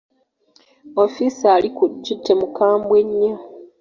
Ofiisa ali ku duty mukambwe nnyo.